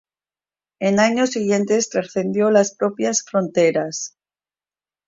En años siguientes trascendió las propias fronteras.